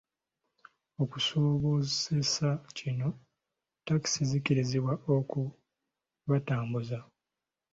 Okusobozesa kino takisi zikkirizibwa okubatambuza.